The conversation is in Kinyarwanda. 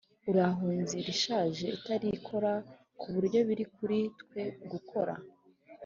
urabona inzira ishaje itari ikora kuburyo biri kuri twe gukora